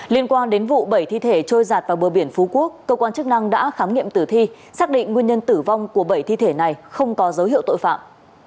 liên quan đến vụ bảy thi thể trôi giạt vào bờ biển phú quốc cơ quan chức năng đã khám nghiệm tử thi xác định nguyên nhân tử vong của bảy thi thể này không có dấu hiệu tội phạm